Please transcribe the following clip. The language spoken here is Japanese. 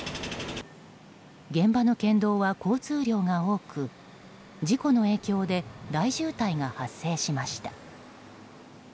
現場の県道は交通量が多く事故の影響で大渋滞が発生しました。